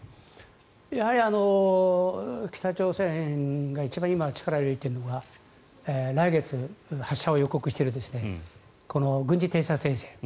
やはり北朝鮮が一番今、力を入れているのが来月に発射を予告している軍事偵察衛星。